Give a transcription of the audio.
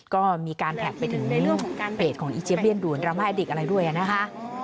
ก็มีการแผลกไปถึงเพศของอิจเยียมเบียนดูนรามาอาดิกส์อะไรด้วยนะคะ